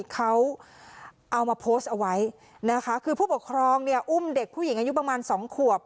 เขาเอามาโพสเอาไว้คือผู้บกครองอุ้มเด็กผู้หญิงอายุประมาณ๒ควบ